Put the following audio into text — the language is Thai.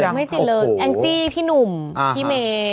ไม่ติดเลยแองจี้พี่หนุ่มพี่เมย์